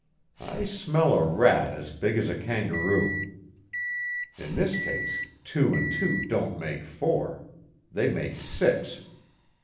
I smell a rat as big as a kangaroo. In this case two and two don't make four. They make six!